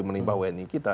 menimpa wni kita